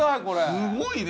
すごいね！